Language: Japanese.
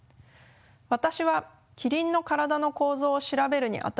私はキリンの体の構造を調べるにあたり